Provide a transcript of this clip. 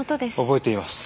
覚えています。